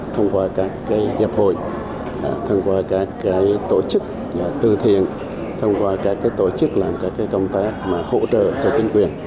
thông qua các hiệp hội thông qua các tổ chức từ thiện thông qua các tổ chức làm các công tác mà hỗ trợ cho chính quyền